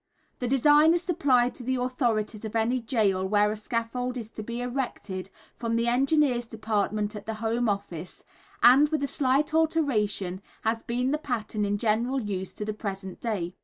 The design is supplied to the authorities of any gaol where a scaffold is to be erected, from the Engineers' Department at the Home Office; and, with a slight alteration, has been the pattern in general use to the present day.